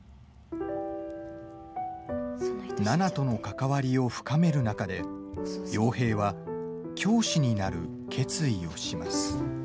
奈々との関わりを深める中で陽平は教師になる決意をします。